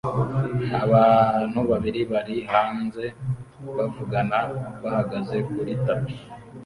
Abantu babiri bari hanze bavugana bahagaze kuri tapi